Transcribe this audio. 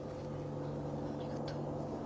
ありがとう。